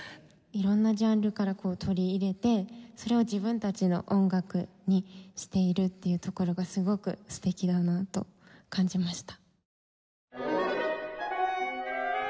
色んなジャンルから取り入れてそれを自分たちの音楽にしているっていうところがすごく素敵だなと感じました。